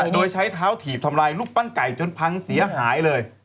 โดยใช้เท้าถีบทำลายรูปปั้นไก่จนพังเสียหายเลย